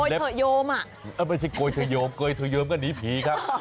กลอยเถิดโยมอ่ะไม่ใช่กลอยเถิดโยมกลอยเถิดโยมก็หนีผีครับ